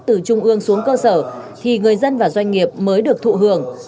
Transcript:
từ trung ương xuống cơ sở thì người dân và doanh nghiệp mới được thụ hưởng